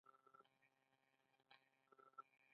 آیا ظلم به عدل شي؟